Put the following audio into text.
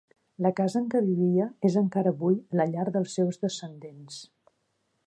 La casa en què vivia és encara avui la llar dels seus descendents.